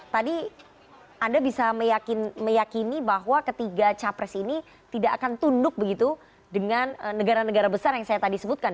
tadi anda bisa meyakini bahwa ketiga capres ini tidak akan tunduk begitu dengan negara negara besar yang saya tadi sebutkan